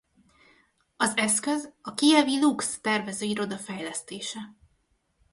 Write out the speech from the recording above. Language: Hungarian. Az eszköz a kijevi Lucs tervezőiroda fejlesztése.